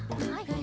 はい。